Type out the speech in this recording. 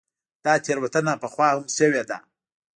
دا تېروتنه پخوا هم شوې ده.